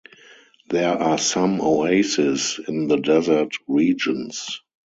There are some oasis in the desert regions.